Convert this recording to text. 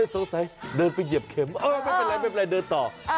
สงสัยเดินไปเหยียบเข็มไม่เป็นไรเดินต่อ